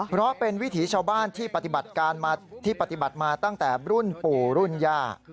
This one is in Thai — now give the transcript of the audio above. เพราะเป็นวิธีชาวบ้านที่ปฏิบัติมาตั้งแต่รุ่นปู่รุ่นย่า